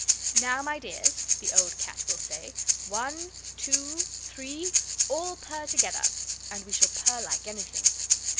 'Now, my dears,' the old cat will say, 'one, two, three all purr together,' and we shall purr like anything.